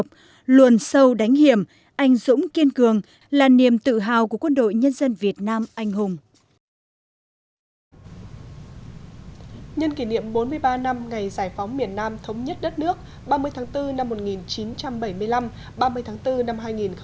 nhân kỷ niệm bốn mươi ba năm ngày giải phóng miền nam thống nhất đất nước ba mươi tháng bốn năm một nghìn chín trăm bảy mươi năm ba mươi tháng bốn năm hai nghìn hai mươi